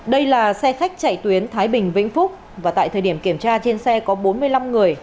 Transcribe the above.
đây là xe khách chạy tuyến thái bình vĩnh phúc và tại thời điểm kiểm tra trên xe có bốn mươi năm người